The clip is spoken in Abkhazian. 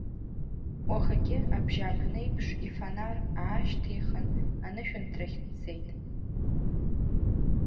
Уахагьы, абжьааԥны еиԥш, ифонар аашьҭихын, анышәынҭрахь дцеит.